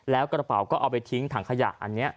แล้วกระเป๋าก็เอาไปทิ้งถังขยะอันนี้